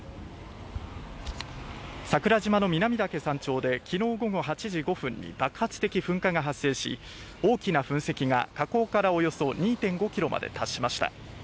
桜島の南岳山頂で昨日午後８時５分に爆発的噴火が発生し大きな噴石が火口からおよそ２．５ｋｍまで達しました。